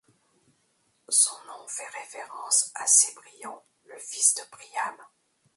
Son nom fait référence à Cébrion, le fils de Priam.